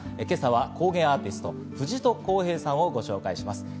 今朝は工芸アーティスト・藤戸康平さんをご紹介します。